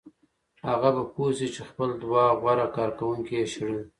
هغه به پوه شي چې خپل دوه غوره کارکوونکي یې شړلي